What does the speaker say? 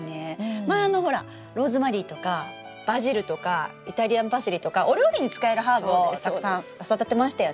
前あのほらローズマリーとかバジルとかイタリアンパセリとかお料理に使えるハーブをたくさん育てましたよね。